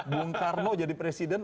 bu nkarno jadi presiden